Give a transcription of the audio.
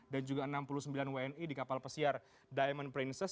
dan juga enam puluh sembilan wni di kapal pesiar diamond princess